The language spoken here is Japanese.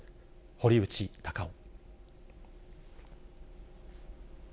堀内孝雄。